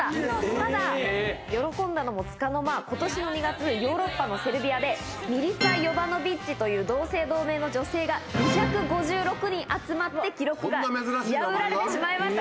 ただ、喜んだのもつかの間、ことしの２月に、ヨーロッパのセルビアで、ミリツァ・ヨヴァノビッチという同姓同名の女性が２５６人集まって、記録が破られてしまいました。